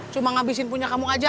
cuma ngabisin punya kamu aja